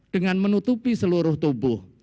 dengan menutupi seluruh tubuh